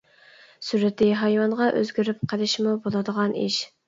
سۈرىتى ھايۋانغا ئۆزگىرىپ قېلىشمۇ بولىدىغان ئىش.